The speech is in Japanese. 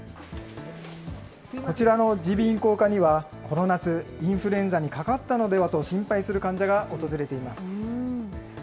こちらの耳鼻咽喉科には、この夏、インフルエンザにかかったのではと心配する患者が訪れています。